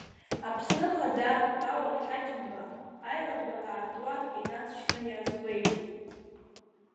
Аԥсны Ахада Рауль Ҳаџьымба аилатәара аартуа инаҵшьны иазгәеиҭеит…